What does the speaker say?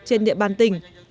trên địa bàn tỉnh